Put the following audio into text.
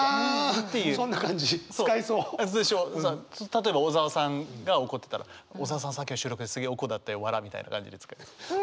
例えば小沢さんが怒ってたら「小沢さんさっきの収録ですげえおこだったよわら」みたいな感じで使います。